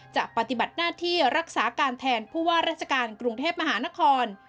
ปฏิบัติหน้าที่รักษาการแทนผู้ว่าราชการกรุงเทพมหานคร